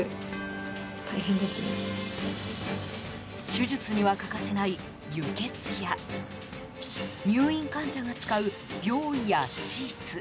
手術には欠かせない輸血や入院患者が使う病衣やシーツ